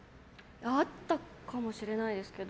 あったかもしれないですけど